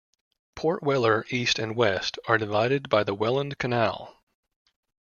Port Weller East and West are divided by the Welland Canal.